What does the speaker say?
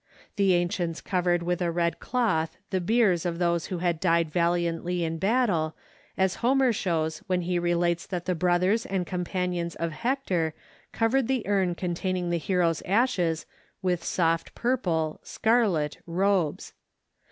The ancients covered with a red cloth the biers of those who had died valiantly in battle, as Homer shows when he relates that the brothers and companions of Hector covered the urn containing the hero's ashes with soft purple (scarlet) robes.